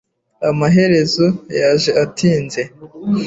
Amaherezo, yaje atinze .